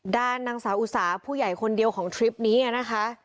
ด้านนางสาวอุตสาหผู้ใหญ่คนเดียวของทริปนี้นะคะ